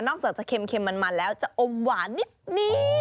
อกจากจะเค็มมันแล้วจะอมหวานนิด